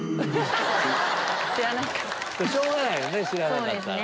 しょうがないよね知らなかったら。